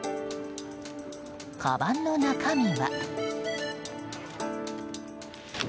かばんの中身は。